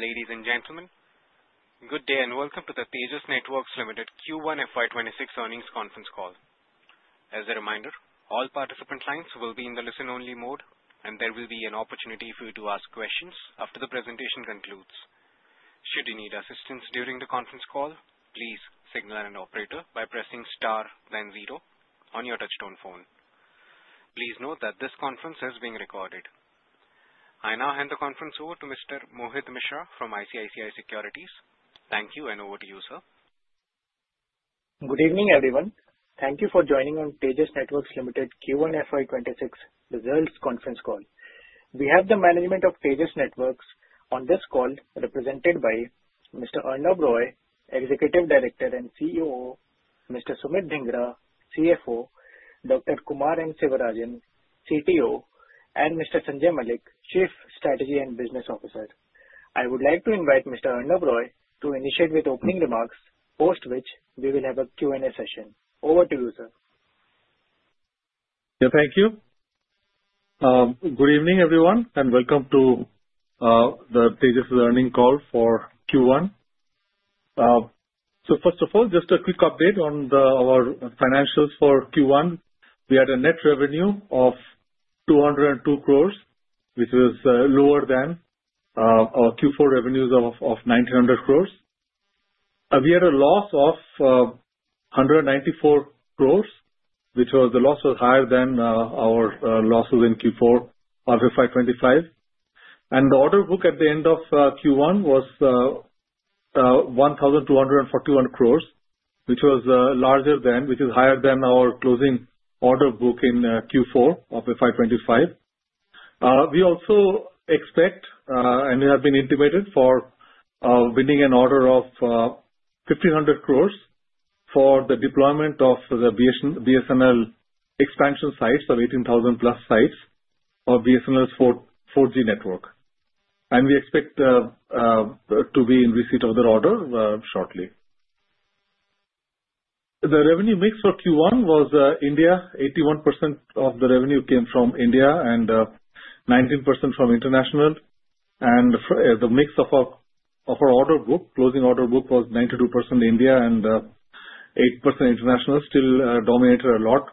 Ladies and gentlemen, good day and welcome to the Tejas Networks Limited Q1 FY26 Earnings Conference Call. As a reminder, all participant lines will be in the listen-only mode, and there will be an opportunity for you to ask questions after the presentation concludes. Should you need assistance during the conference call, please signal an operator by pressing star, then zero, on your touch-tone phone. Please note that this conference is being recorded. I now hand the conference over to Mr. Mohit Mishra from ICICI Securities. Thank you, and over to you, sir. Good evening, everyone. Thank you for joining on Tejas Networks Limited Q1 FY26 results conference call. We have the management of Tejas Networks on this call, represented by Mr. Arnob Roy, Executive Director and COO, Mr. Sumit Dhingra, CFO, Dr. Kumar N. Sivarajan, CTO, and Mr. Sanjay Malik, Chief Strategy and Business Officer. I would like to invite Mr. Arnob Roy to initiate with opening remarks, post which we will have a Q&A session. Over to you, sir. Yeah, thank you. Good evening, everyone, and welcome to the Tejas earnings call for Q1. So first of all, just a quick update on our financials for Q1. We had a net revenue of 202 crores, which was lower than our Q4 revenues of 1,900 crores. We had a loss of 194 crores, which was higher than our losses in Q4 of FY25. And the order book at the end of Q1 was 1,241 crores, which is higher than our closing order book in Q4 of FY25. We also expect, and we have been intimated, for winning an order of 1,500 crores for the deployment of the BSNL expansion sites of 18,000-plus sites of BSNL's 4G network. And we expect to be in receipt of the order shortly. The revenue mix for Q1 was India. 81% of the revenue came from India and 19% from international, and the mix of our order book, closing order book, was 92% India and 8% international, still dominated a lot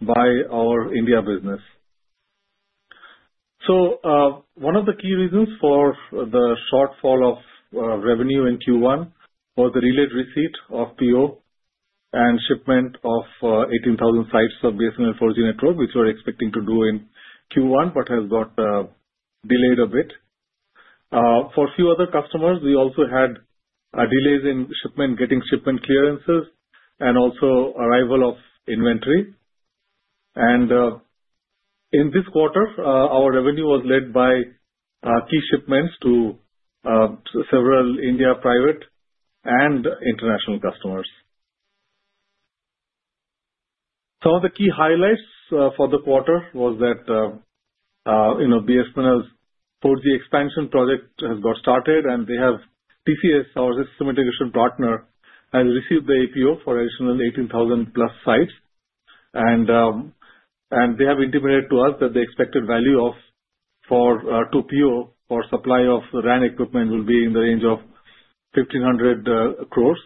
by our India business, so one of the key reasons for the shortfall of revenue in Q1 was the delayed receipt of PO and shipment of 18,000 sites of BSNL 4G network, which we were expecting to do in Q1, but has got delayed a bit. For a few other customers, we also had delays in shipment, getting shipment clearances, and also arrival of inventory, and in this quarter, our revenue was led by key shipments to several India private and international customers. Some of the key highlights for the quarter was that BSNL's 4G expansion project has got started, and they have TCS, our system integration partner, has received the APO for additional 18,000-plus sites. They have intimated to us that the expected value for PO for supply of RAN equipment will be in the range of 1,500 crores.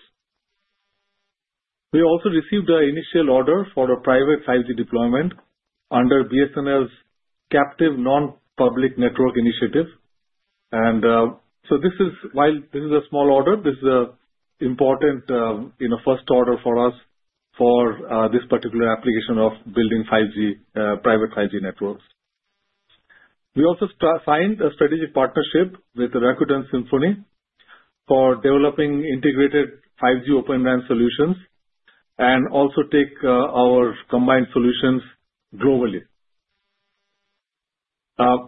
We also received an initial order for a private 5G deployment under BSNL's Captive Non-Public Network initiative. And so while this is a small order, this is an important first order for us for this particular application of building private 5G networks. We also signed a strategic partnership with Rakuten Symphony for developing integrated 5G Open RAN solutions and also take our combined solutions globally.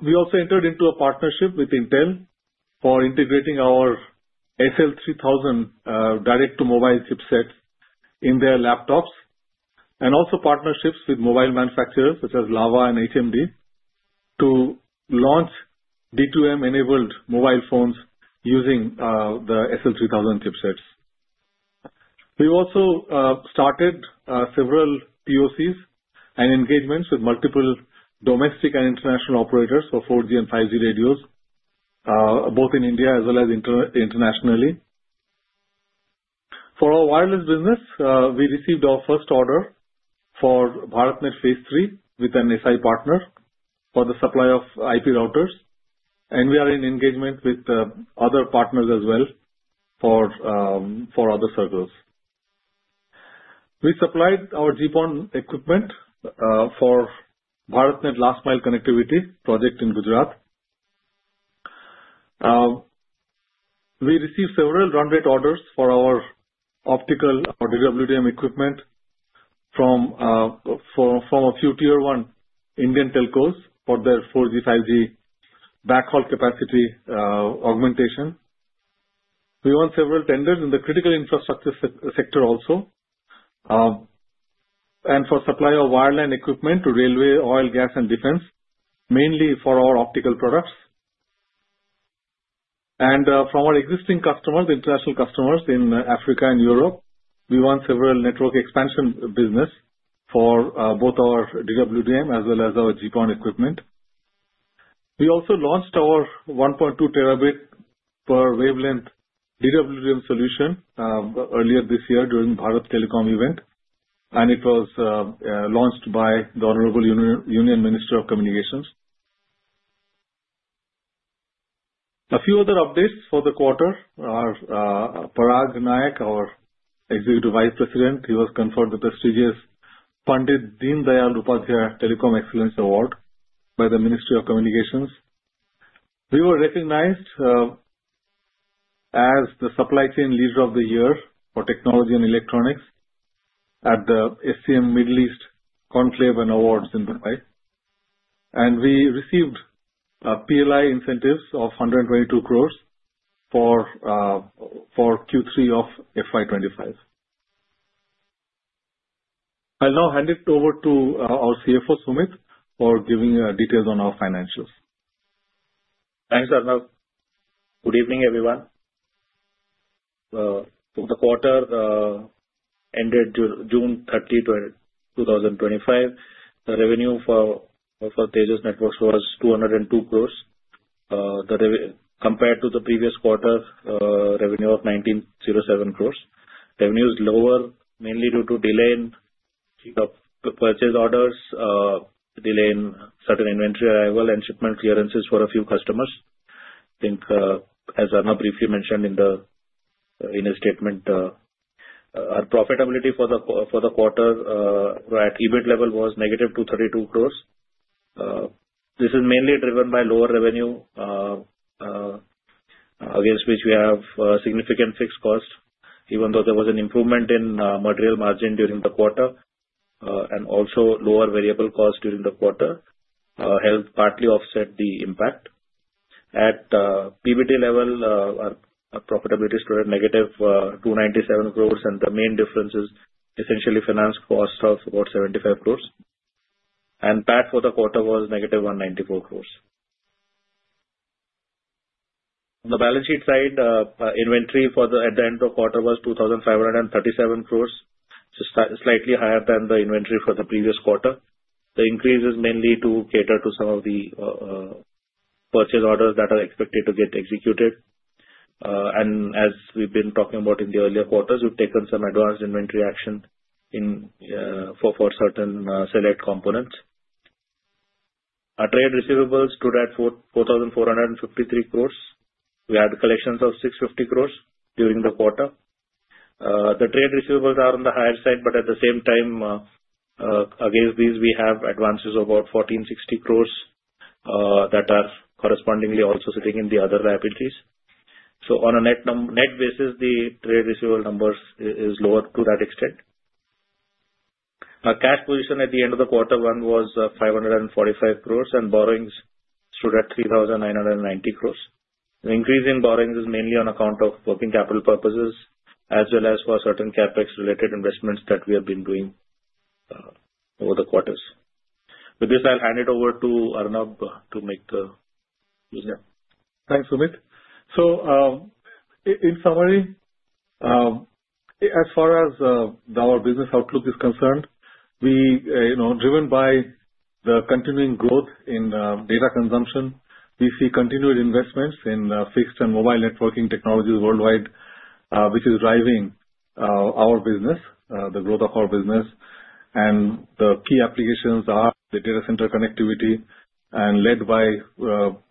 We also entered into a partnership with Intel for integrating our SL3000 direct-to-mobile chipset in their laptops, and also partnerships with mobile manufacturers such as Lava and HMD to launch D2M-enabled mobile phones using the SL3000 chipsets. We also started several POCs and engagements with multiple domestic and international operators for 4G and 5G radios, both in India as well as internationally. For our wireless business, we received our first order for BharatNet phase III with an SI partner for the supply of IP routers. And we are in engagement with other partners as well for other circles. We supplied our GPON equipment for BharatNet last-mile connectivity project in Gujarat. We received several run rate orders for our optical or DWDM equipment from a few tier-one Indian telcos for their 4G, 5G backhaul capacity augmentation. We won several tenders in the critical infrastructure sector also, and for supply of wireline equipment to railway, oil, gas, and defense, mainly for our optical products. From our existing customers, international customers in Africa and Europe, we won several network expansion business for both our DWDM as well as our GPON equipment. We also launched our 1.2 terabit per wavelength DWDM solution earlier this year during Bharat Telecom event, and it was launched by the Honorable Union Minister of Communications. A few other updates for the quarter: Parag Naik, our Executive Vice President. He was conferred the prestigious Pandit Deendayal Upadhyaya Telecom Excellence Award by the Ministry of Communications. We were recognized as the Supply Chain Leader of the Year for Technology and Electronics at the SCM Middle East Conclave and Awards in Dubai. And we received PLI incentives of 122 crores for Q3 of FY25. I'll now hand it over to our CFO, Sumit, for giving details on our financials. Thanks, Arnob. Good evening, everyone. The quarter ended June 30, 2025. The revenue for Tejas Networks was 202 crores, compared to the previous quarter revenue of 1,907 crores. Revenue is lower, mainly due to delay in purchase orders, delay in certain inventory arrival, and shipment clearances for a few customers. I think, as Arnob briefly mentioned in his statement, our profitability for the quarter at EBITDA level was negative 232 crores. This is mainly driven by lower revenue, against which we have significant fixed costs. Even though there was an improvement in material margin during the quarter, and also lower variable costs during the quarter helped partly offset the impact. At PBT level, our profitability stood at negative 297 crores, and the main difference is essentially finance cost of about 75 crores, and PAT for the quarter was negative 194 crores. On the balance sheet side, inventory for the end of quarter was 2,537 crores, slightly higher than the inventory for the previous quarter. The increase is mainly to cater to some of the purchase orders that are expected to get executed. And as we've been talking about in the earlier quarters, we've taken some advanced inventory action for certain select components. Our trade receivables stood at 4,453 crores. We had collections of 650 crores during the quarter. The trade receivables are on the higher side, but at the same time, against these, we have advances of about 1,460 crores that are correspondingly also sitting in the other liabilities. So on a net basis, the trade receivable numbers are lower to that extent. Our cash position at the end of the quarter one was 545 crores, and borrowings stood at 3,990 crores. The increase in borrowings is mainly on account of working capital purposes, as well as for certain CapEx-related investments that we have been doing over the quarters. With this, I'll hand it over to Arnob to make the presentation. Thanks, Sumit. So in summary, as far as our business outlook is concerned, driven by the continuing growth in data consumption, we see continued investments in fixed and mobile networking technologies worldwide, which is driving our business, the growth of our business. The key applications are the data center connectivity, led by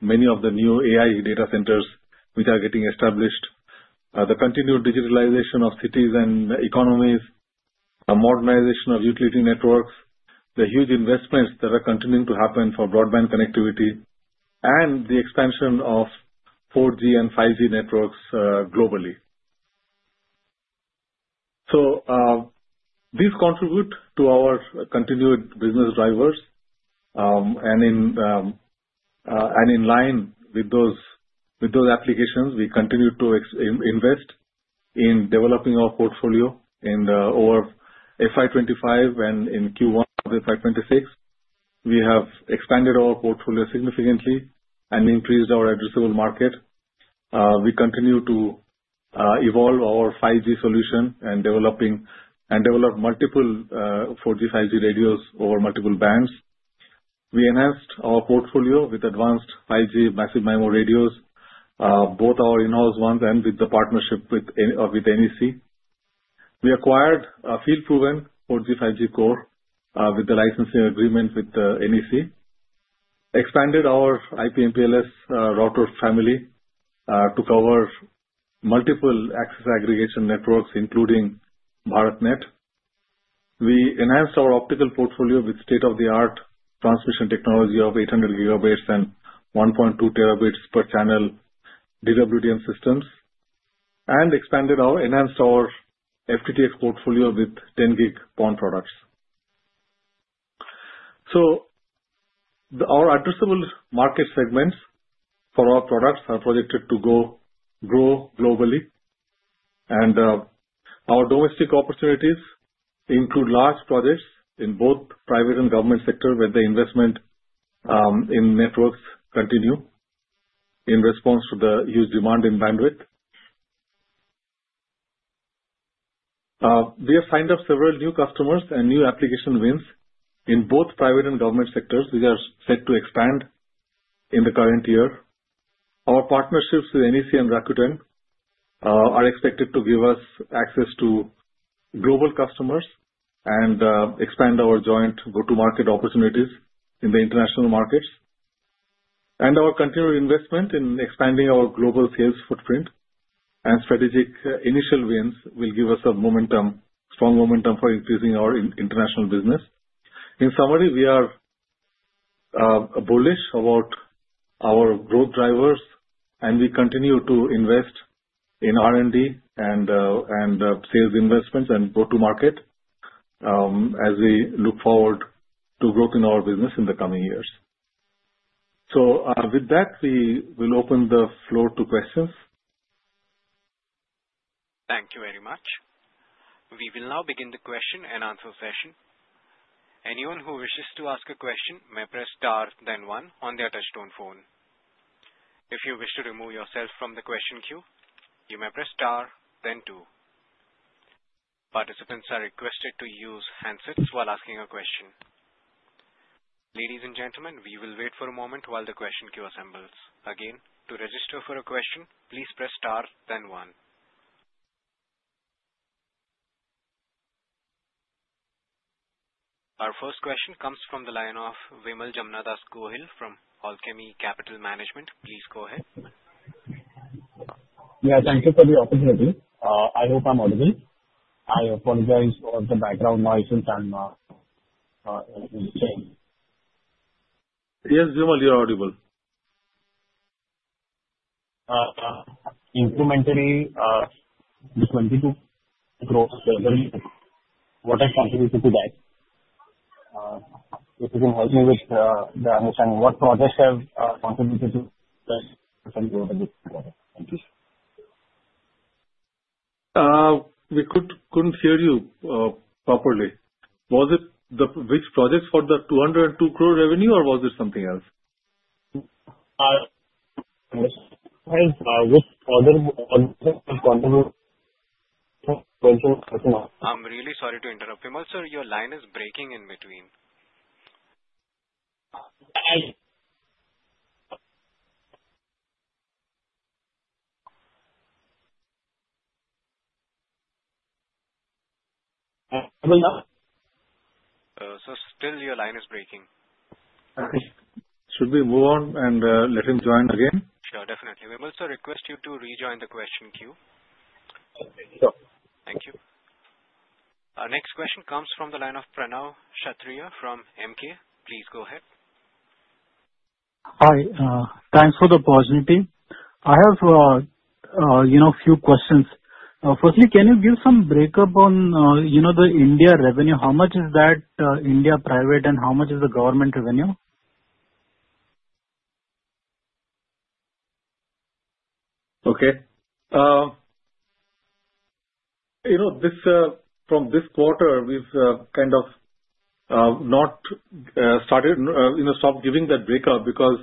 many of the new AI data centers which are getting established, the continued digitalization of cities and economies, modernization of utility networks, the huge investments that are continuing to happen for broadband connectivity, and the expansion of 4G and 5G networks globally. These contribute to our continued business drivers. In line with those applications, we continue to invest in developing our portfolio. In the FY25 and in Q1 of FY26, we have expanded our portfolio significantly and increased our addressable market. We continue to evolve our 5G solution and develop multiple 4G, 5G radios over multiple bands. We enhanced our portfolio with advanced 5G massive MIMO radios, both our in-house ones and with the partnership with NEC. We acquired a field-proven 4G, 5G core with the licensing agreement with NEC, expanded our IP/MPLS router family to cover multiple access aggregation networks, including BharatNet. We enhanced our optical portfolio with state-of-the-art transmission technology of 800 gigabits and 1.2 terabits per channel DWDM systems, and expanded our enhanced FTTX portfolio with 10G PON products. So our addressable market segments for our products are projected to grow globally. And our domestic opportunities include large projects in both private and government sectors where the investment in networks continues in response to the huge demand in bandwidth. We have signed up several new customers and new application wins in both private and government sectors which are set to expand in the current year. Our partnerships with NEC and Rakuten are expected to give us access to global customers and expand our joint go-to-market opportunities in the international markets. And our continued investment in expanding our global sales footprint and strategic initial wins will give us a strong momentum for increasing our international business. In summary, we are bullish about our growth drivers, and we continue to invest in R&D and sales investments and go-to-market as we look forward to growth in our business in the coming years. So with that, we will open the floor to questions. Thank you very much. We will now begin the question and answer session. Anyone who wishes to ask a question may press star, then one, on their touch-tone phone. If you wish to remove yourself from the question queue, you may press star, then two. Participants are requested to use handsets while asking a question. Ladies and gentlemen, we will wait for a moment while the question queue assembles. Again, to register for a question, please press star, then one. Our first question comes from the line of Vimal Jamnadas Gohil from Alchemy Capital Management. Please go ahead. Yeah, thank you for the opportunity. I hope I'm audible. I apologize for the background noise and everything's changed. Yes, Vimal, you're audible. Incrementally, the 22 crores is very good. What has contributed to that? If you can help me with the understanding, what projects have contributed to that? Thank you. We couldn't hear you properly. Was it the which projects for the 202 crore revenue, or was it something else? Yes. I'm really sorry to interrupt. Vimal, sir, your line is breaking in between. Vimal? So still your line is breaking. Should we move on and let him join again? Sure, definitely. Vimal, sir, request you to rejoin the question queue. Sure. Thank you. Our next question comes from the line of Pranav Kshatriya from Emkay. Please go ahead. Hi. Thanks for the opportunity. I have a few questions. Firstly, can you give some breakdown on the India revenue? How much is that India private and how much is the government revenue? Okay. From this quarter, we've kind of not started giving that breakup because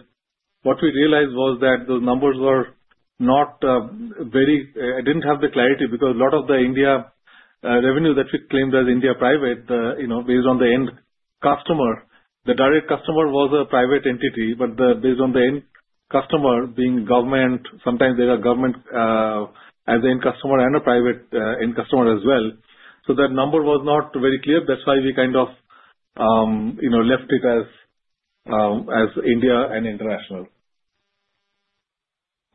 what we realized was that those numbers were not very. I didn't have the clarity because a lot of the India revenue that we claimed as India private, based on the end customer, the direct customer was a private entity. But based on the end customer being government, sometimes there are government as the end customer and a private end customer as well. So that number was not very clear. That's why we kind of left it as India and international.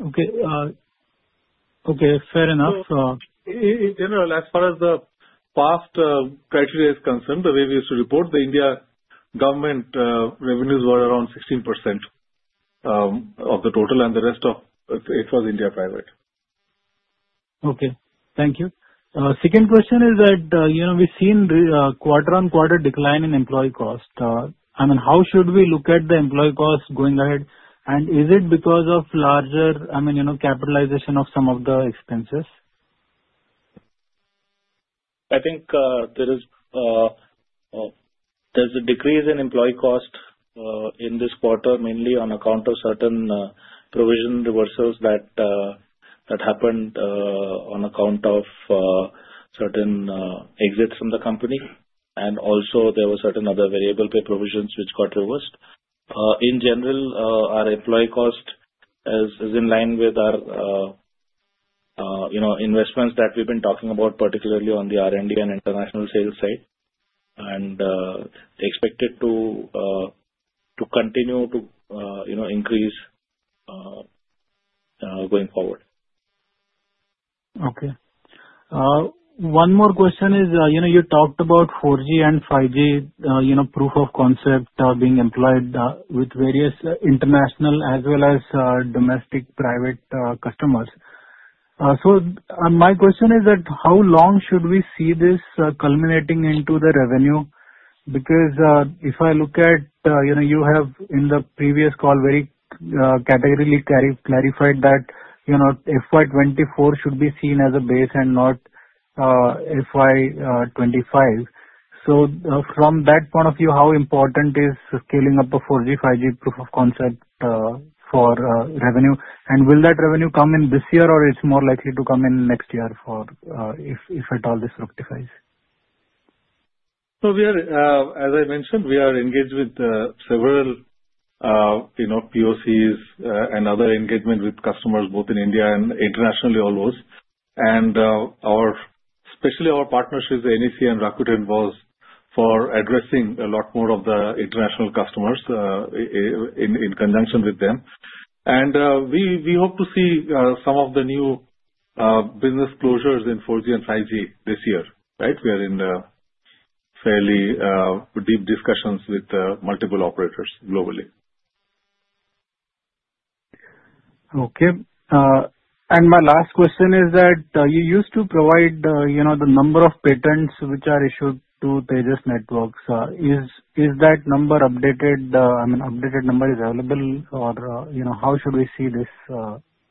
Okay. Okay. Fair enough. In general, as far as the past criteria is concerned, the way we used to report, the Indian government revenues were around 16% of the total, and the rest of it was Indian private. Okay. Thank you. Second question is that we've seen quarter-on-quarter decline in employee cost. I mean, how should we look at the employee cost going ahead, and is it because of larger, I mean, capitalization of some of the expenses? I think there's a decrease in employee cost in this quarter, mainly on account of certain provision reversals that happened on account of certain exits from the company. And also, there were certain other variable pay provisions which got reversed. In general, our employee cost is in line with our investments that we've been talking about, particularly on the R&D and international sales side, and expected to continue to increase going forward. Okay. One more question is you talked about 4G and 5G proof of concept being employed with various international as well as domestic private customers. So my question is that how long should we see this culminating into the revenue? Because if I look at you have in the previous call very categorically clarified that FY24 should be seen as a base and not FY25. So from that point of view, how important is scaling up a 4G, 5G proof of concept for revenue? And will that revenue come in this year, or it's more likely to come in next year if at all this rectifies? So as I mentioned, we are engaged with several POCs and other engagements with customers, both in India and internationally almost. And especially our partnership with NEC and Rakuten was for addressing a lot more of the international customers in conjunction with them. And we hope to see some of the new business closures in 4G and 5G this year, right? We are in fairly deep discussions with multiple operators globally. Okay. And my last question is that you used to provide the number of patents which are issued to Tejas Networks. Is that number updated? I mean, updated number is available, or how should we see this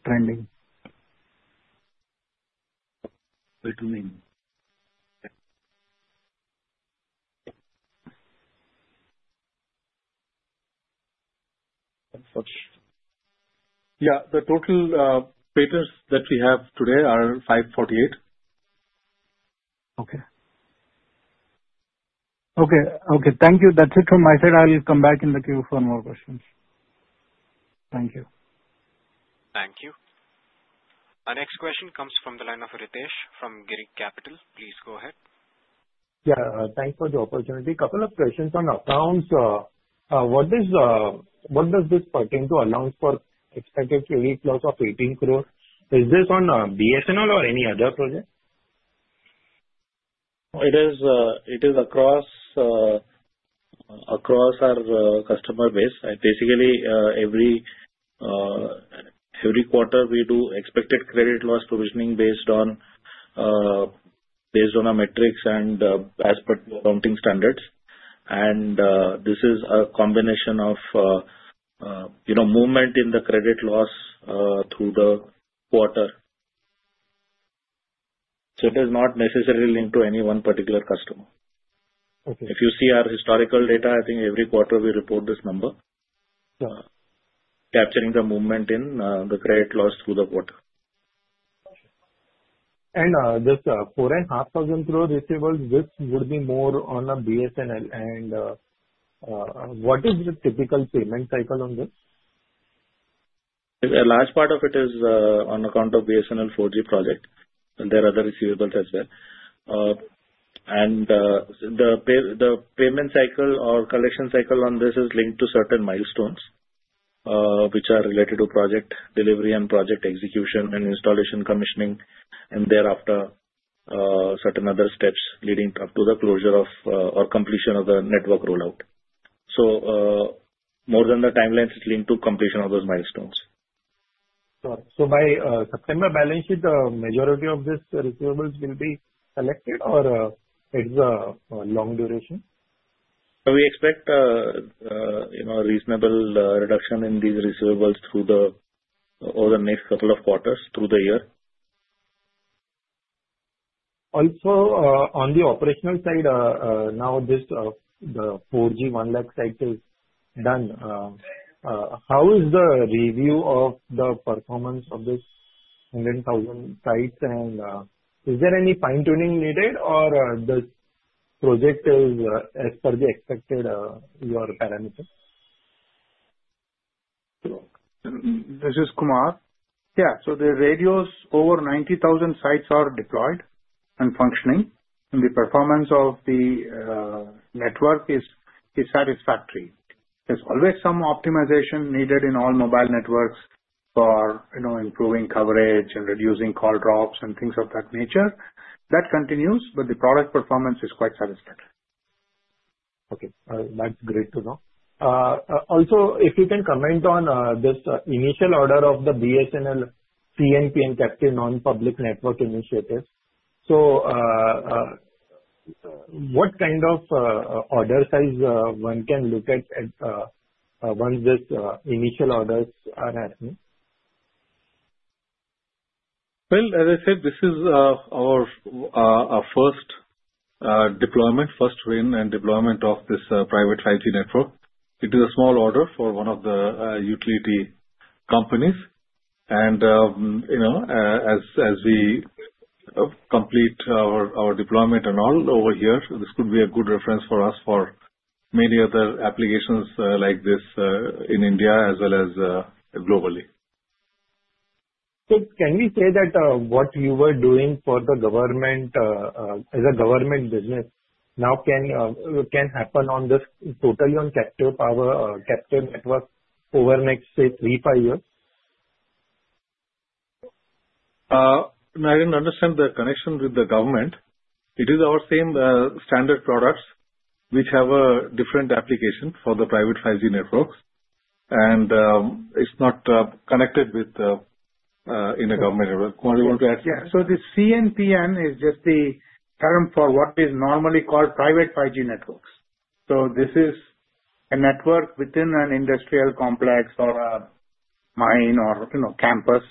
trending? Wait a minute. Yeah. The total patents that we have today are 548. Okay. Okay. Okay. Thank you. That's it from my side. I'll come back in the queue for more questions. Thank you. Thank you. Our next question comes from the line of Ritesh from Girik Capital. Please go ahead. Yeah. Thanks for the opportunity. A couple of questions on accounts. What does this pertain to, accounts for expected credit loss of 18 crores? Is this on BSNL or any other project? It is across our customer base. Basically, every quarter, we do expected credit loss provisioning based on our metrics and as per accounting standards. And this is a combination of movement in the credit loss through the quarter. So it is not necessarily linked to any one particular customer. If you see our historical data, I think every quarter we report this number, capturing the movement in the credit loss through the quarter. And this 4,500 crore receivables, this would be more on a BSNL. And what is the typical payment cycle on this? A large part of it is on account of BSNL 4G project. There are other receivables as well, and the payment cycle or collection cycle on this is linked to certain milestones which are related to project delivery and project execution and installation, commissioning, and thereafter certain other steps leading up to the closure or completion of the network rollout, so more than the timelines is linked to completion of those milestones. Got it. So by September balance sheet, the majority of these receivables will be collected, or it's a long duration? We expect a reasonable reduction in these receivables over the next couple of quarters through the year. Also, on the operational side, now this 4G, 1 lakh sites is done. How is the review of the performance of this 10,000 sites? And is there any fine-tuning needed, or this project is as per the expected parameters? This is Kumar. Yeah. So the radios over 90,000 sites are deployed and functioning, and the performance of the network is satisfactory. There's always some optimization needed in all mobile networks for improving coverage and reducing call drops and things of that nature. That continues, but the product performance is quite satisfactory. Okay. That's great to know. Also, if you can comment on this initial order of the BSNL CNPN and captive non-public network initiative. So what kind of order size one can look at once these initial orders are happening? As I said, this is our first deployment, first win and deployment of this private 5G network. It is a small order for one of the utility companies. As we complete our deployment and all over here, this could be a good reference for us for many other applications like this in India as well as globally. Can we say that what you were doing for the government as a government business now can happen totally on captive power, captive network over next, say, three, five years? I didn't understand the connection with the government. It is our same standard products which have a different application for the private 5G networks, and it's not connected within a government network. What do you want to add? Yeah. So the CNPN is just the term for what is normally called private 5G networks. So this is a network within an industrial complex or a mine or campus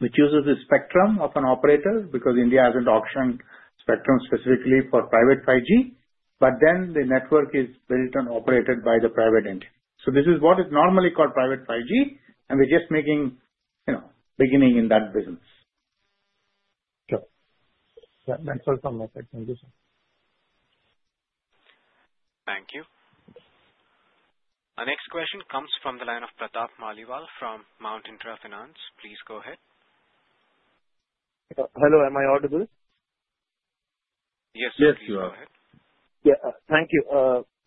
which uses the spectrum of an operator because India hasn't auctioned spectrum specifically for private 5G. But then the network is built and operated by the private entity. So this is what is normally called private 5G, and we're just making beginning in that business. Sure. That makes sense on my side. Thank you, sir. Thank you. Our next question comes from the line of Pratap Maliwal from Mount Intra Finance. Please go ahead. Hello. Am I audible? Yes, yes, you are. Yeah. Thank you.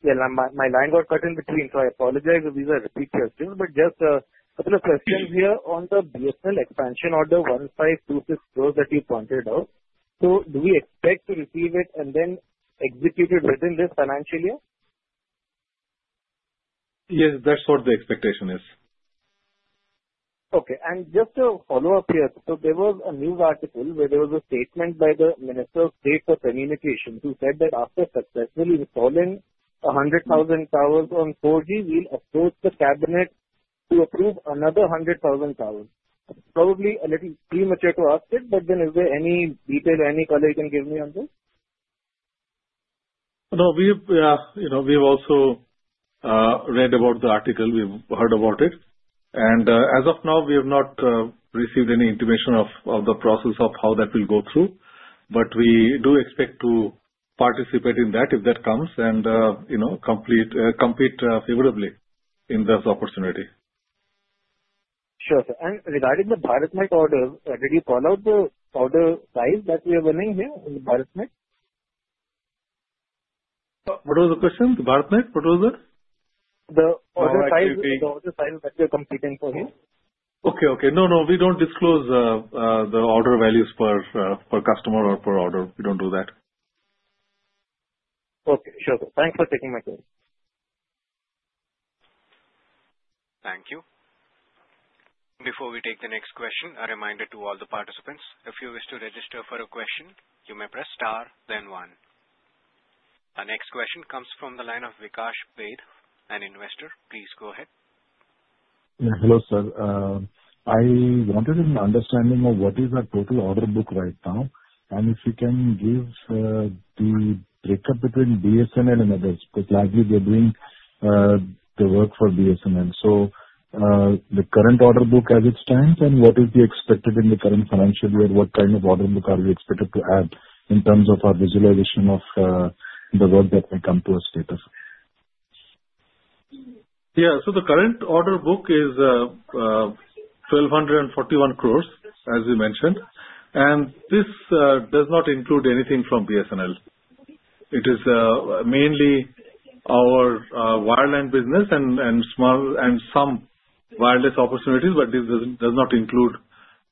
Yeah. My line got cut in between, so I apologize if these are repeat questions. But just a couple of questions here on the BSNL expansion order, 1,526 crores that you pointed out. So do we expect to receive it and then execute it within this financial year? Yes. That's what the expectation is. Okay. And just to follow up here, so there was a news article where there was a statement by the Minister of State for Communications who said that after successfully installing 100,000 towers on 4G, we'll approach the cabinet to approve another 100,000 towers. Probably a little premature to ask it, but then is there any detail or any color you can give me on this? No. We've also read about the article. We've heard about it. And as of now, we have not received any information of the process of how that will go through. But we do expect to participate in that if that comes and compete favorably in this opportunity. Sure. And regarding the BharatNet orders, did you call out the order size that we are running here in BharatNet? What was the question? BharatNet? What was that? The order size that we are competing for here. Okay. Okay. No, no. We don't disclose the order values per customer or per order. We don't do that. Okay. Sure. Thanks for taking my call. Thank you. Before we take the next question, a reminder to all the participants. If you wish to register for a question, you may press star, then one. Our next question comes from the line of Vikas Bhed, an investor. Please go ahead. Hello, sir. I wanted an understanding of what is our total order book right now and if you can give the breakup between BSNL and others because largely they're doing the work for BSNL. So the current order book as it stands and what is the expected in the current financial year? What kind of order book are we expected to add in terms of our visualization of the work that may come to a status? Yeah. So the current order book is 1,241 crores, as we mentioned. And this does not include anything from BSNL. It is mainly our wireline business and some wireless opportunities, but this does not include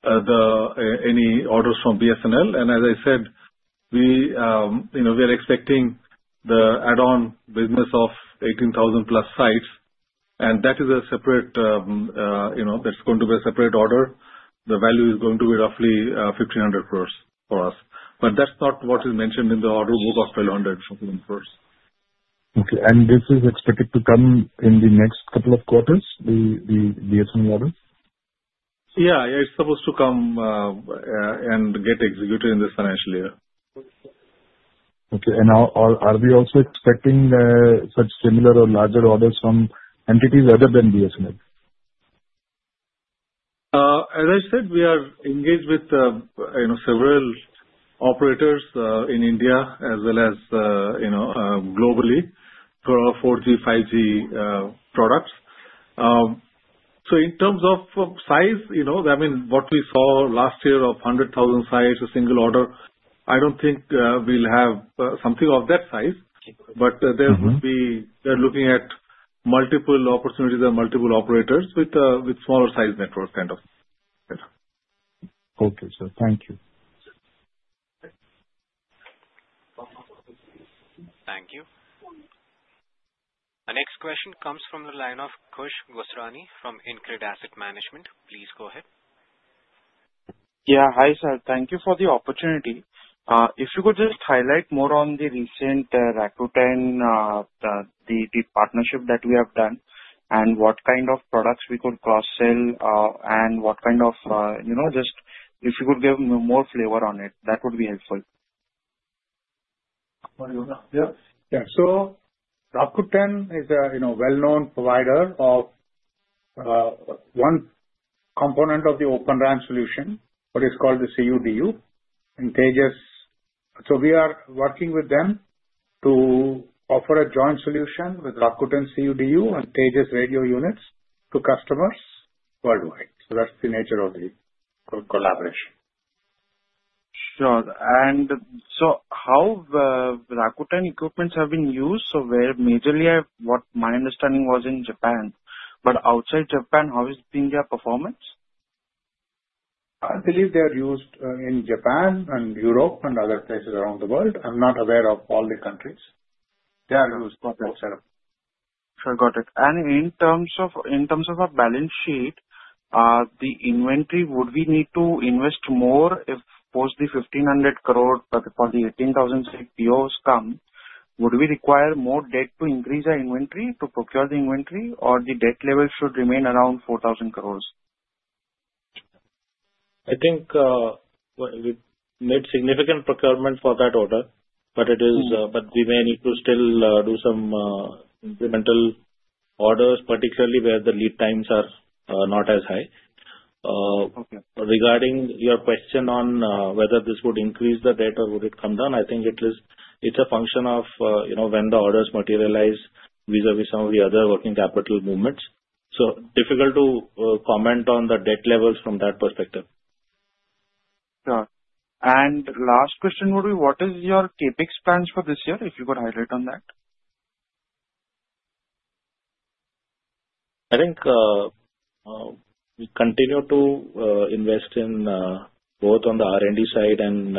any orders from BSNL. And as I said, we are expecting the add-on business of 18,000 plus sites. And that is a separate order. The value is going to be roughly 1,500 crores for us. But that's not what is mentioned in the order book of 1,241 crores. Okay, and this is expected to come in the next couple of quarters, the BSNL orders? Yeah. It's supposed to come and get executed in this financial year. Okay, and are we also expecting such similar or larger orders from entities other than BSNL? As I said, we are engaged with several operators in India as well as globally for our 4G, 5G products. So in terms of size, I mean, what we saw last year of 100,000 sites a single order, I don't think we'll have something of that size. But they're looking at multiple opportunities and multiple operators with smaller size networks kind of. Okay. So, thank you. Thank you. Our next question comes from the line of Khush Gosrani from InCred Asset Management. Please go ahead. Yeah. Hi, sir. Thank you for the opportunity. If you could just highlight more on the recent Rakuten, the partnership that we have done and what kind of products we could cross-sell and what kind of just if you could give more flavor on it, that would be helpful. Yeah. So Rakuten is a well-known provider of one component of the OpenRAN solution, what is called the CU/DU. So we are working with them to offer a joint solution with Rakuten CU/DU and Tejas radio units to customers worldwide. So that's the nature of the collaboration. Sure. And so how Rakuten equipment have been used? So majorly, what my understanding was in Japan. But outside Japan, how has been their performance? I believe they are used in Japan and Europe and other places around the world. I'm not aware of all the countries. They are used for that setup. Sure. Got it. And in terms of our balance sheet, the inventory, would we need to invest more if, of course, the 1,500 crores for the 18,000 sites POs come, would we require more debt to increase our inventory, to procure the inventory, or the debt level should remain around 4,000 crores? I think we've made significant procurement for that order, but we may need to still do some incremental orders, particularly where the lead times are not as high. Regarding your question on whether this would increase the debt or would it come down, I think it's a function of when the orders materialize vis-à-vis some of the other working capital movements. So difficult to comment on the debt levels from that perspective. Sure. And last question would be, what is your CapEx plans for this year if you could highlight on that? I think we continue to invest both on the R&D side and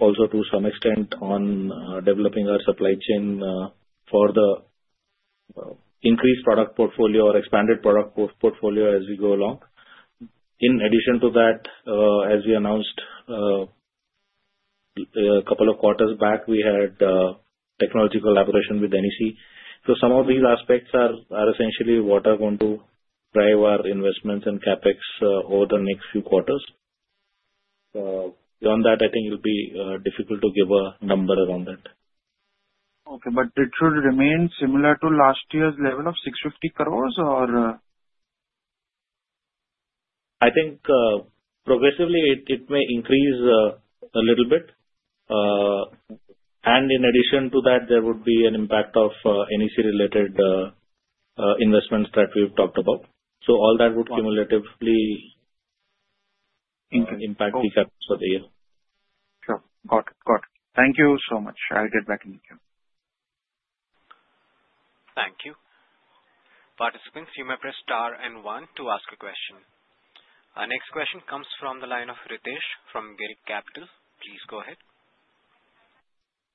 also to some extent on developing our supply chain for the increased product portfolio or expanded product portfolio as we go along. In addition to that, as we announced a couple of quarters back, we had technological collaboration with NEC. So some of these aspects are essentially what are going to drive our investments and CapEx over the next few quarters. Beyond that, I think it'll be difficult to give a number around that. Okay. But it should remain similar to last year's level of 650 crores or? I think progressively it may increase a little bit. And in addition to that, there would be an impact of NEC-related investments that we've talked about. So all that would cumulatively impact the CapEx for the year. Sure. Got it. Got it. Thank you so much. I'll get back to you. Thank you. Participants, you may press star and one to ask a question. Our next question comes from the line of Ritesh from Girik Capital. Please go ahead.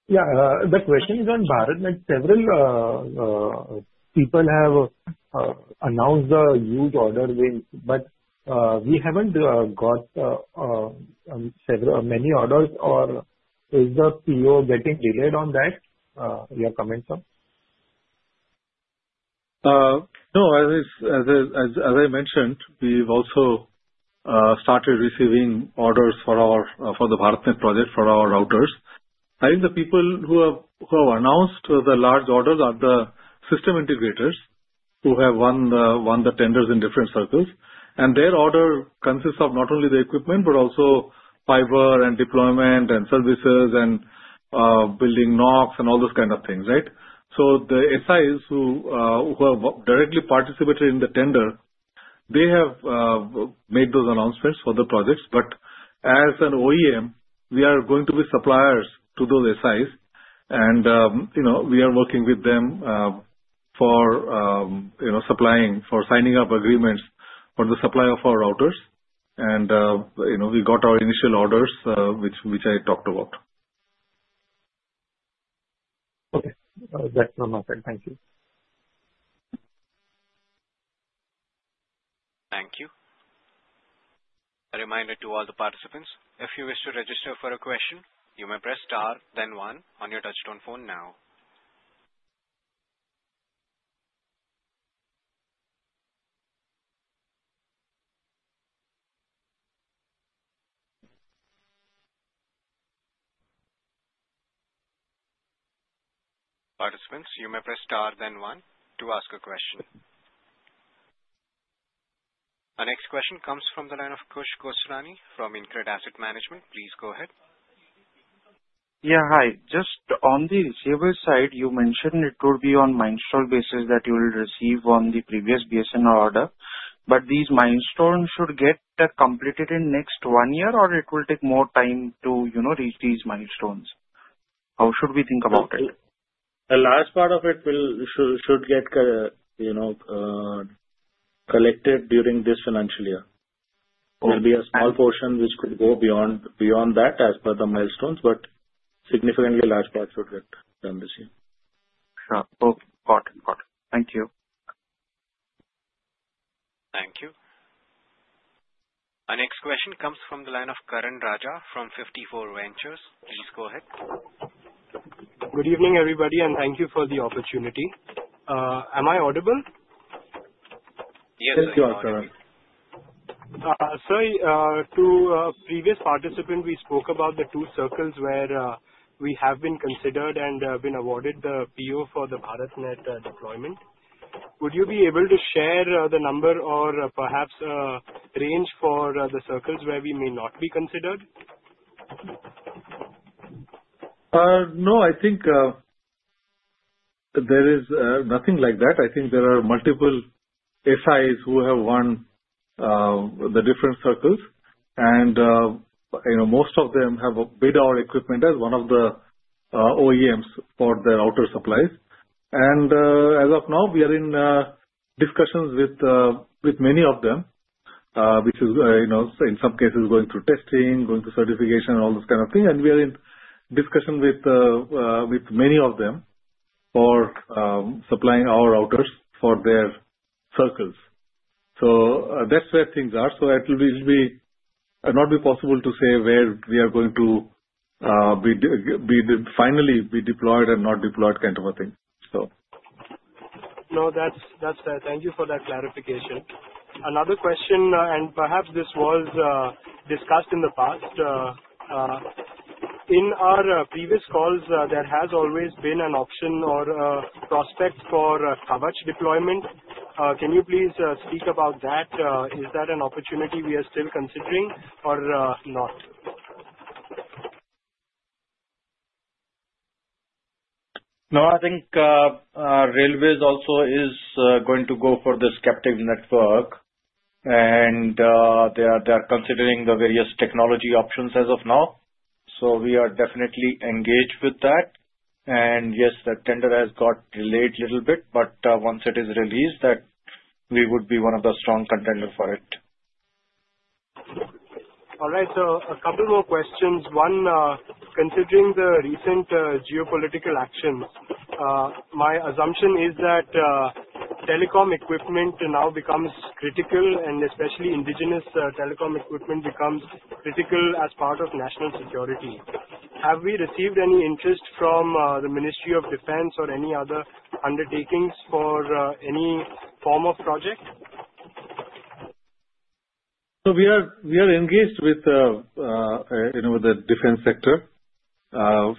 Yeah. The question is on BharatNet. Several people have announced the huge order wave, but we haven't got many orders, or is the PO getting delayed on that? Your comments on? No. As I mentioned, we've also started receiving orders for the BharatNet project for our routers. I think the people who have announced the large orders are the system integrators who have won the tenders in different circles, and their order consists of not only the equipment, but also fiber and deployment and services and building NOCs and all those kind of things, right, so the SIs who have directly participated in the tender, they have made those announcements for the projects, but as an OEM, we are going to be suppliers to those SIs, and we are working with them for signing up agreements for the supply of our routers, and we got our initial orders, which I talked about. Okay. That's all my side. Thank you. Thank you. A reminder to all the participants. If you wish to register for a question, you may press star, then one on your touch-tone phone now. Participants, you may press star, then one to ask a question. Our next question comes from the line of Khush Gosrani from InCred Asset Management. Please go ahead. Yeah. Hi. Just on the receivables side, you mentioned it would be on milestone basis that you will receive on the previous BSNL order. But these milestones should get completed in next one year, or it will take more time to reach these milestones? How should we think about it? The last part of it should get collected during this financial year. There'll be a small portion which could go beyond that as per the milestones, but significantly large part should get done this year. Sure. Okay. Got it. Got it. Thank you. Thank you. Our next question comes from the line of Karan Raja from 54 Ventures. Please go ahead. Good evening, everybody, and thank you for the opportunity. Am I audible? Yes, sir. Thank you, Karan. Sir, to previous participants, we spoke about the two circles where we have been considered and have been awarded the PO for the BharatNet deployment. Would you be able to share the number or perhaps a range for the circles where we may not be considered? No. I think there is nothing like that. I think there are multiple SIs who have won the different circles. And most of them have bid our equipment as one of the OEMs for their outer supplies. And as of now, we are in discussions with many of them, which is, in some cases, going through testing, going through certification, all those kind of things. And we are in discussion with many of them for supplying our routers for their circles. So that's where things are. So it will not be possible to say where we are going to finally be deployed and not deployed kind of a thing, so. No, that's fair. Thank you for that clarification. Another question, and perhaps this was discussed in the past. In our previous calls, there has always been an option or a prospect for Kavach deployment. Can you please speak about that? Is that an opportunity we are still considering or not? No, I think Railways also is going to go for this captive network. And they are considering the various technology options as of now. So we are definitely engaged with that. And yes, the tender has got delayed a little bit, but once it is released, we would be one of the strong contenders for it. All right, so a couple more questions. One, considering the recent geopolitical actions, my assumption is that telecom equipment now becomes critical, and especially indigenous telecom equipment becomes critical as part of national security. Have we received any interest from the Ministry of Defence or any other undertakings for any form of project? We are engaged with the defense sector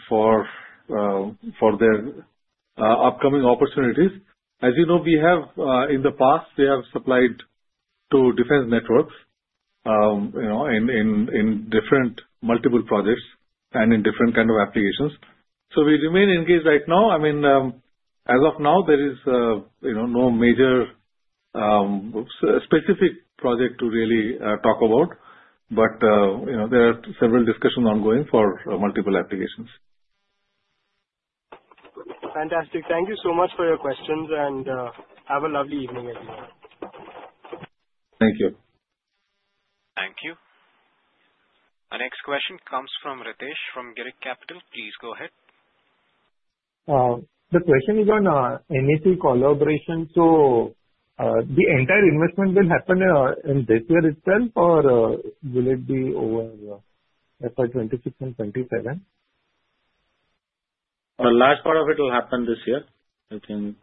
for their upcoming opportunities. As you know, in the past, we have supplied to defense networks in multiple projects and in different kind of applications. We remain engaged right now. I mean, as of now, there is no major specific project to really talk about, but there are several discussions ongoing for multiple applications. Fantastic. Thank you so much for your questions, and have a lovely evening everyone. Thank you. Thank you. Our next question comes from Ritesh from Girik Capital. Please go ahead. The question is on NEC collaboration. So the entire investment will happen in this year itself, or will it be over FY 26 and 27? The last part of it will happen this year. I think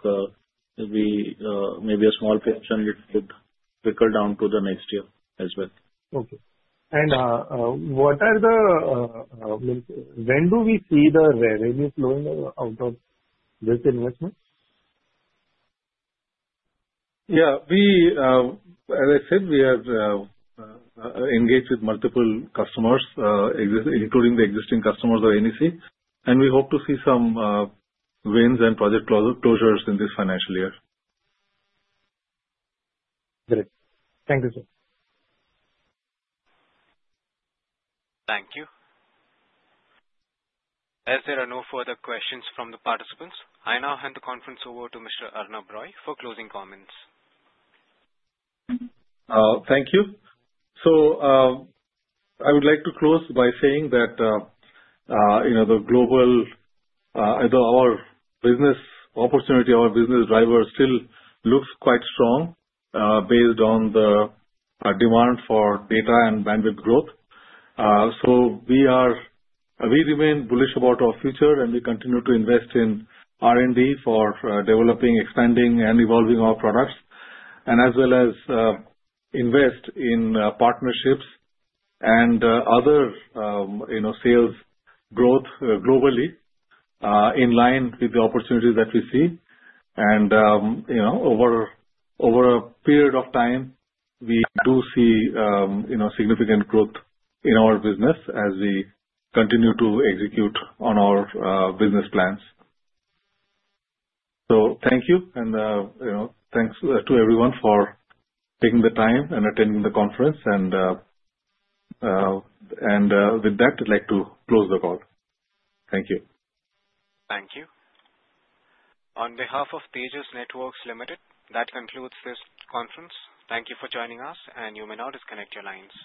maybe a small portion would trickle down to the next year as well. Okay. When do we see the revenue flowing out of this investment? Yeah. As I said, we are engaged with multiple customers, including the existing customers of NEC, and we hope to see some wins and project closures in this financial year. Great. Thank you, sir. Thank you. As there are no further questions from the participants, I now hand the conference over to Mr. Arnob Roy for closing comments. Thank you. So I would like to close by saying that the global business opportunity, our business driver still looks quite strong based on the demand for data and bandwidth growth. So we remain bullish about our future, and we continue to invest in R&D for developing, expanding, and evolving our products, and as well as invest in partnerships and other sales growth globally in line with the opportunities that we see. And over a period of time, we do see significant growth in our business as we continue to execute on our business plans. So thank you, and thanks to everyone for taking the time and attending the conference. And with that, I'd like to close the call. Thank you. Thank you. On behalf of Tejas Networks Limited, that concludes this conference. Thank you for joining us, and you may now disconnect your lines.